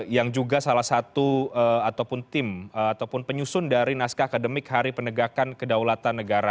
yang juga salah satu ataupun tim ataupun penyusun dari naskah akademik hari penegakan kedaulatan negara